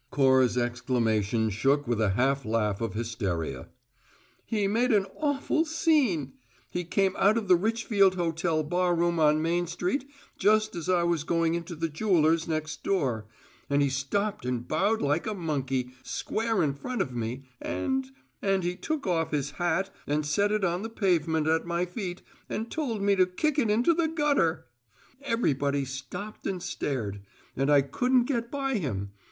'" Cora's exclamation shook with a half laugh of hysteria. "He made an awful scene! He came out of the Richfield Hotel barroom on Main Street just as I was going into the jeweller's next door, and he stopped and bowed like a monkey, square in front of me, and and he took off his hat and set it on the pavement at my feet and told me to kick it into the gutter! Everybody stopped and stared; and I couldn't get by him.